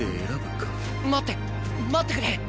待って待ってくれ！